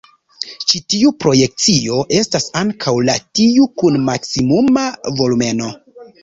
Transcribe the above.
Ĉi tiu projekcio estas ankaŭ la tiu kun maksimuma volumeno.